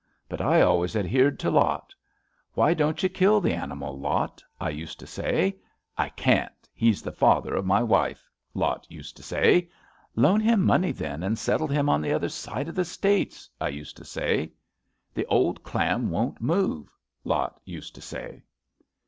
But I always adhered to Lot. * Why don't you kill the animal, Lot? ' I used to say. * I can't. He's the father of my wife,' Lot used to say. * Loan him money then and settle him on the other side of the States,' I used to say. * The old clam won't move,' Lot used to say."